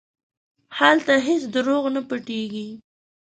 هلته هېڅ دروغ نه پټېږي.